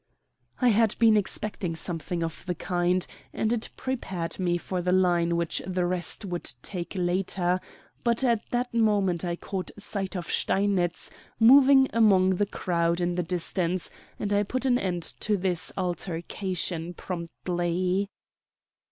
I had been expecting something of the kind, and it prepared me for the line which the rest would take later; but at that moment I caught sight of Steinitz, moving among the crowd in the distance, and I put an end to this altercation promptly.